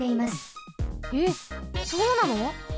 えっそうなの？